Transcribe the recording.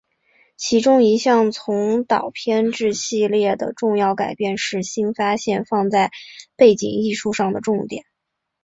其中一项从导片至系列的重要改变是新发现放在背景艺术上的重点。